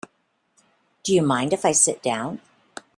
Do you mind if I sit down?